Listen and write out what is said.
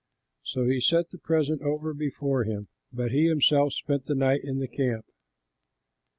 So he sent the present over before him; but he himself spent that night in the camp.